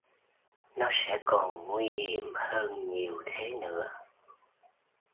Nó sẽ còn nguy hiểm hơn nhiều thế nữa